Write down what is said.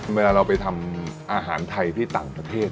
เวลาเราไปทำอาหารไทยที่ต่างประเทศ